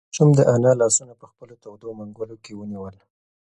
ماشوم د انا لاسونه په خپلو تودو منگولو کې ونیول.